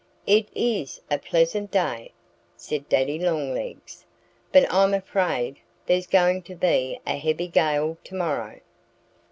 "It is a pleasant day," said Daddy Longlegs. "But I'm afraid there's going to be a heavy gale to morrow."